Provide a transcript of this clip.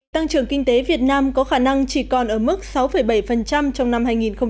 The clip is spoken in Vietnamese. tăng trưởng kinh tế việt nam có khả năng chỉ còn ở mức sáu bảy trong năm hai nghìn một mươi tám